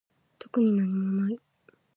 特になにもない